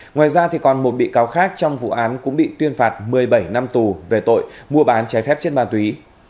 ngoài ra còn một bị cáo khác trong vụ án cũng bị tuyên phạt một mươi bảy năm tù về tội mua bán trái phép chất ma túy